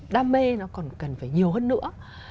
đam mê nó còn cần phải nhiều hơn nữa